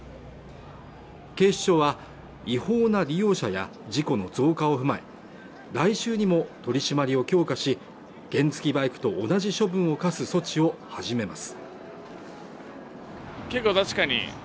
警視庁は違法な利用者や事故の増加を踏まえ来週にも取り締まりを強化し原付バイクと同じ処分を科す措置を始めます